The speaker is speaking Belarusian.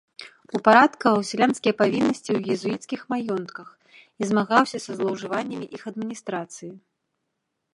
Упарадкаваў сялянскія павіннасці ў езуіцкіх маёнтках і змагаўся са злоўжываннямі іх адміністрацыі.